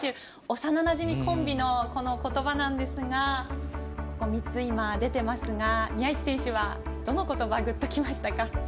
幼なじみコンビのこの言葉なんですが３つ出ていますが宮市選手はどの言葉にグッときましたか？